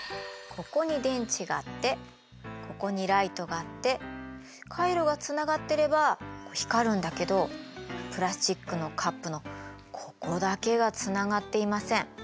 ここに電池があってここにライトがあって回路がつながってれば光るんだけどプラスチックのカップのここだけがつながっていません。